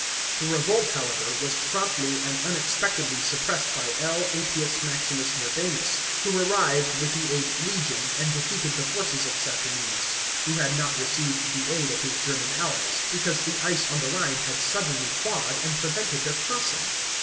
The revolt, however, was promptly and unexpectedly suppressed by L. Appius 390 THE FLAVIAN EMPERORS. CHAP. xxi. Maximus Norbanus, who arrived with the VUIth legion, and defeated the forces of Saturninus, who had not received the aid of his German allies, because the ice on the Rhine had suddenly thawed and prevented their crossing.